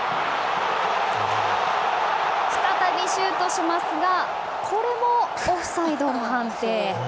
再びシュートしますがこれもオフサイドの判定。